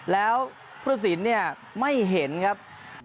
แล้วผู้สินเนี่ยไม่เห็นครับ